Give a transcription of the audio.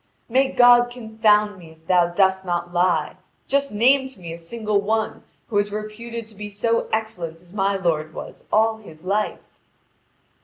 "May God confound me, if thou dost not lie! Just name to me a single one who is reputed to be so excellent as my lord was all his life."